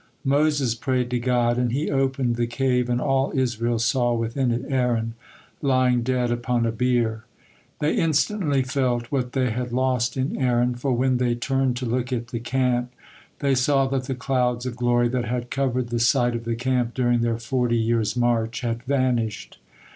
Moses prayed to God, and He opened the cave and all Israel saw within it Aaron, lying dead upon a bier. They instantly felt what they had lost in Aaron, for when they turned to look at the camp, they saw that the clouds of glory that had covered the site of the camp during their forty years' march had vanished.